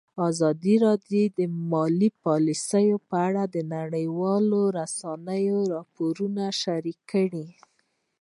ازادي راډیو د مالي پالیسي په اړه د نړیوالو رسنیو راپورونه شریک کړي.